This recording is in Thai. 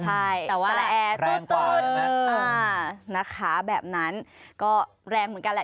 ใช่แต่ว่าละแอร์ตื้นนะคะแบบนั้นก็แรงเหมือนกันแหละ